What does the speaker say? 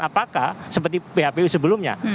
apakah seperti phpu sebelumnya